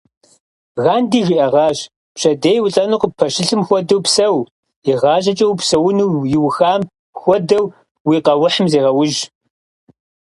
Ганди жиӏагъащ: пщэдей улӏэну къыппэщылъым хуэдэу псэу, игъащӏэкӏэ упсэуну иухам хуэдэу уи къэухьым зегъэужь.